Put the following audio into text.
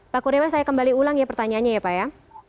pak kurniawan saya kembali ulang ya pertanyaannya ya pak ya